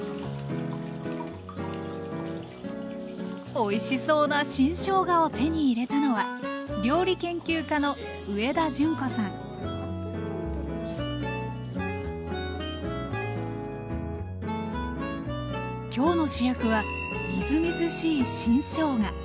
おいしそうな新しょうがを手に入れたのは今日の主役はみずみずしい新しょうが。